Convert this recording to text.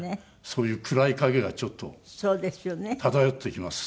そういう暗い影がちょっと漂ってきます。